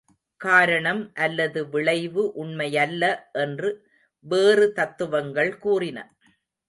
காரணம் அல்லது விளைவு உண்மையல்ல என்று வேறு தத்துவங்கள் கூறின.